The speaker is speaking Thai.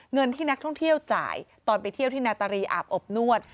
เงินที่นักท่องเที่ยวจ่ายตอนไปเที่ยวที่นาตารีอาบอบนวด